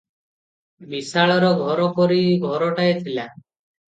ବିଶାଳର ଘରପରି ଘରଟାଏ ଥିଲା ।